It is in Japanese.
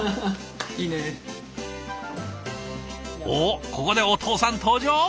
おっここでお父さん登場？